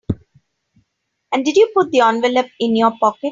And did you put the envelope in your pocket?